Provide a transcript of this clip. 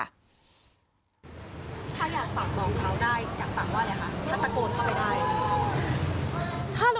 ถ้าอยากฝากบอกเขาได้อยากฝากว่าอะไรคะถ้าตะโกนเข้าไปได้